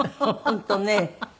本当ね。